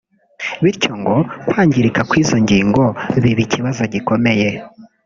bityo ngo kwangirika kw’izo ngingo biba ikibazo gikomeye